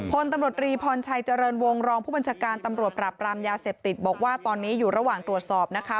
พลตำรวจรีพรชัยเจริญวงรองผู้บัญชาการตำรวจปราบรามยาเสพติดบอกว่าตอนนี้อยู่ระหว่างตรวจสอบนะคะ